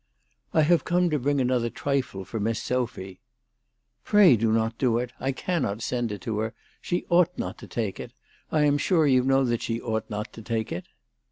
"I have come to bring another trifle for Miss Sophy." " Pray do not do it. I cannot send it her. She ought not to take it. I am sure you know that she ought not to take it."